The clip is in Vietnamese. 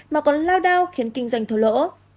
mà còn lao đao khiến kinh doanh thổ lỗ